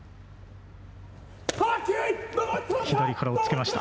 左から押っつけました。